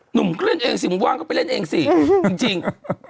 หนุ่มเคลื่อนเองสิมึงว่างก็ไปเล่นเองสิจริง